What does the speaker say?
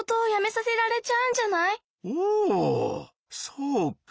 そうか。